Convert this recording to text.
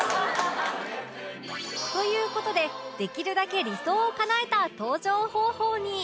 という事でできるだけ理想をかなえた登場方法に